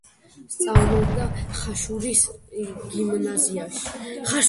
სწავლობდა ხაშურის გიმნაზიაში.